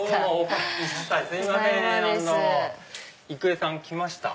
郁恵さん来ました。